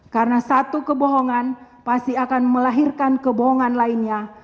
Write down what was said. karena satu kebohongan pasti akan melahirkan kebohongan lainnya